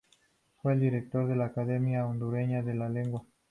Fue director de la Academia Hondureña de la Lengua.